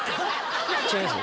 違います？